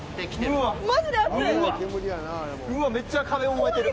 うわっめっちゃ壁が燃えてる。